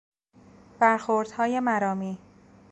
برخوردهای مرامی